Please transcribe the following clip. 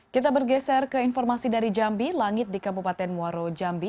kita bergeser ke informasi dari jambi langit di kabupaten muaro jambi